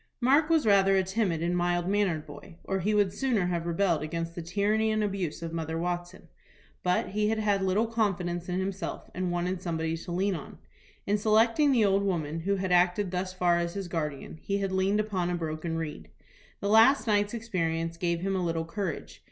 Mark was rather a timid, mild mannered boy, or he would sooner have rebelled against the tyranny and abuse of Mother Watson. But he had had little confidence in himself, and wanted somebody to lean on. In selecting the old woman, who had acted thus far as his guardian, he had leaned upon a broken reed. The last night's experience gave him a little courage.